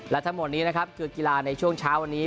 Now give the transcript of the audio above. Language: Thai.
และทั้งหมดนี้นะครับคือกีฬาในช่วงเช้าวันนี้